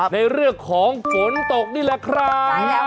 ในเรื่องของฝนตกนี่แหละครับ